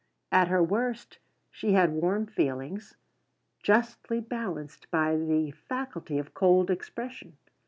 At her worst she had warm feelings, justly balanced by the faculty of cold expression.